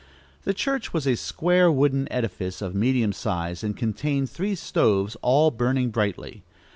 The church was a square wooden edifice, of medium size, and contained three stoves all burning brightly.